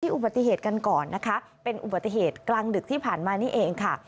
อุบัติเหตุกันก่อนนะคะเป็นอุบัติเหตุกลางดึกที่ผ่านมานี่เองค่ะ